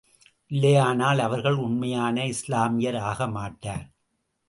இல்லையானால், அவர்கள் உண்மையான இஸ்லாமியர் ஆக மாட்டார்.